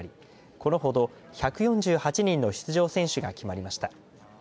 このほど、１４８人の出場選手が決まりました。